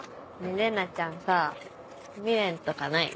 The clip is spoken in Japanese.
玲奈ちゃんさ未練とかないの？